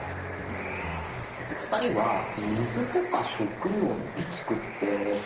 お二人は水とか食料の備蓄ってされてますか？